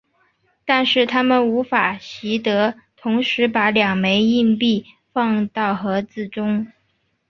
但是它们无法习得同时把两枚硬币放到盒子中。